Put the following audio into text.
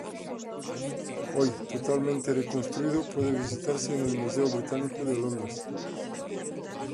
Hoy, totalmente reconstruido, puede visitarse en el Museo Británico de Londres.